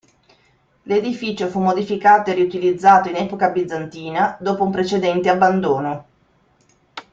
L'edificio fu modificato e riutilizzato in epoca bizantina dopo un precedente abbandono.